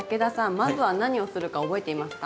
まずは何をするか覚えていますか？